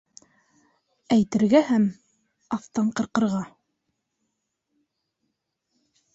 Әйтергә һәм... аҫтан ҡырҡырға.